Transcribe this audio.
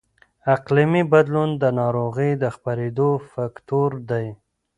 اقلیمي بدلون د ناروغۍ د خپرېدو فکتور دی.